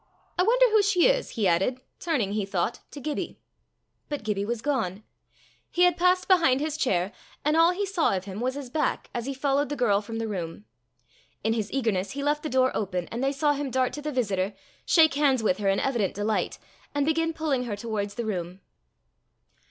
I wonder who she is," he added, turning, he thought, to Gibbie. But Gibbie was gone. He had passed behind his chair, and all he saw of him was his back as he followed the girl from the room. In his eagerness he left the door open, and they saw him dart to the visitor, shake hands with her in evident delight, and begin pulling her towards the room.